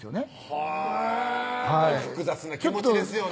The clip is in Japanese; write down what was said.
はぁ複雑な気持ちですよね